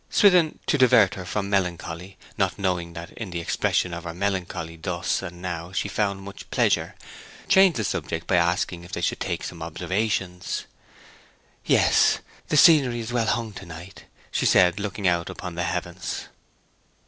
Swithin, to divert her from melancholy not knowing that in the expression of her melancholy thus and now she found much pleasure, changed the subject by asking if they should take some observations. 'Yes; the scenery is well hung to night,' she said looking out upon the heavens.